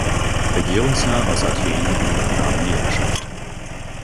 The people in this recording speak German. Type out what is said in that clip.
Regierungsjahr aus Athen und übernahmen die Herrschaft.